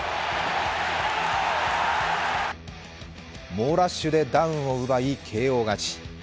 猛ラッシュでダウンを奪いＫＯ勝ち。